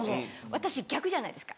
私逆じゃないですか